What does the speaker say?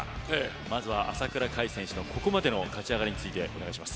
まずは朝倉海選手のここまでの勝ち上がりについてお願いします。